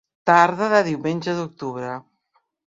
Tarda de diumenge d'octubre.